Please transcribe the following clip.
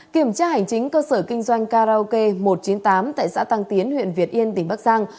kiểm tra hành chính cơ sở kinh doanh karaoke một trăm chín mươi tám tại xã tăng tiến huyện việt yên tỉnh bắc giang